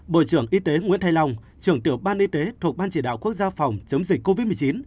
bộ trưởng y tế nguyễn thanh long trưởng tiểu ban y tế thuộc ban chỉ đạo quốc gia phòng chống dịch covid một mươi chín